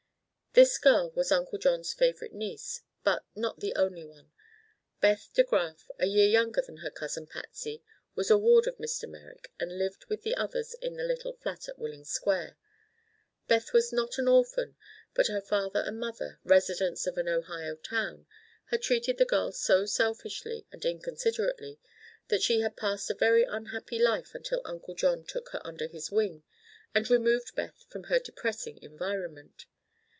This girl was Uncle John's favorite niece, but not the only one. Beth De Graf, a year younger than her cousin Patsy, was a ward of Mr. Merrick and lived with the others in the little flat at Willing Square. Beth was not an orphan, but her father and mother, residents of an Ohio town, had treated the girl so selfishly and inconsiderately that she had passed a very unhappy life until Uncle John took her under his wing and removed Beth from her depressing environment.